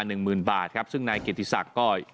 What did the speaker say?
หนึ่งหมื่นบาทครับซึ่งนายเกียรติศักดิ์ก็